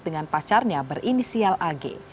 dengan pacarnya berinisial ag